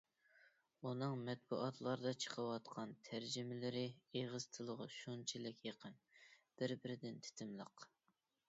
ئۇنىڭ مەتبۇئاتلاردا چىقىۋاتقان تەرجىمىلىرى ئېغىز تىلىغا شۇنچىلىك يېقىن، بىر-بىرىدىن تېتىملىق.